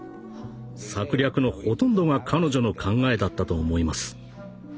策略のほとんどが彼女の考えだったと思います。